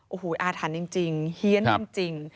โอ้โหอาถรรพ์จริงเฮียนจริง